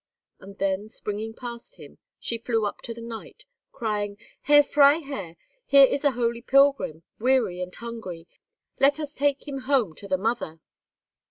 And then, springing past him, she flew up to the knight, crying, "Herr Freiherr, here is a holy pilgrim, weary and hungry. Let us take him home to the mother."